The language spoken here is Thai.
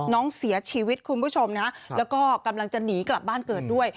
น้องเสียชีวิตคุณผู้ชมนะแล้วก็กำลังจะหนีกลับบ้านเกิดด้วย